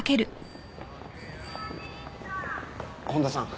本多さん。